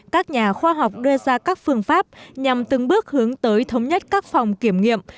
các nhà khoa học đưa ra các phương pháp nhằm từng bước hướng tới thống nhất các phòng kiểm nghiệm